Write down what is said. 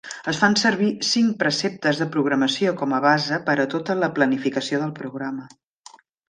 Es fan servir cinc preceptes de programació com a base per a tota la planificació del programa.